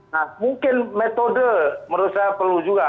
nah mungkin metode menurut saya perlu juga